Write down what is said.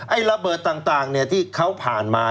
ระเบิดต่างที่เขาผ่านมา